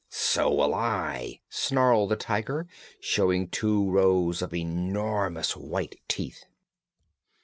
"So will I!" snarled the Tiger, showing two rows of enormous white teeth.